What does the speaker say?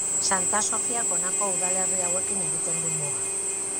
Santa Sofiak honako udalerri hauekin egiten du muga.